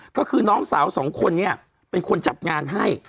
ก็คือน้องสาวสองคนเนี่ยเป็นคนจัดงานให้